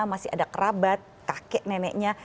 masih ada kerabat kakek neneknya